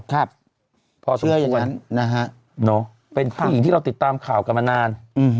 เพราะเชื่ออย่างนั้นนะฮะเป็นผู้หญิงที่เราติดตามข่าวกันมานาน